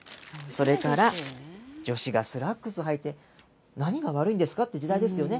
それから女子がスラックスはいてなにが悪いんですかという時代ですよね。